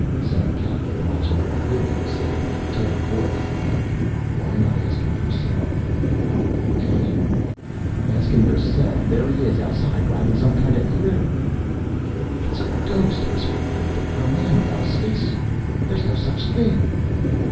Sam Catlin, watching out the window, said in a tight voice, "Why not ask him yourself?" "Eh?" "Ask him for yourself! There he is outside, riding some kind of critter...." "It's a ghost," whispered Frayberg. "A man without a space suit.... There's no such thing!"